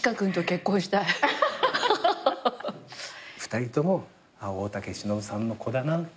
２人とも大竹しのぶさんの子だなって